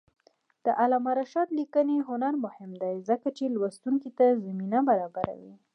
د علامه رشاد لیکنی هنر مهم دی ځکه چې لوستونکي ته زمینه برابروي.